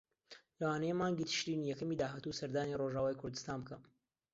لەوانەیە مانگی تشرینی یەکەمی داهاتوو سەردانی ڕۆژاوای کوردستان بکەم.